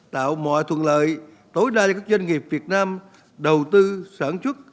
tạo mọi thuận lợi tối đa cho các doanh nghiệp việt nam đầu tư sáng chức